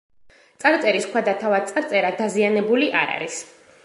წარწერის ქვა და თავად წარწერა დაზიანებული არ არის.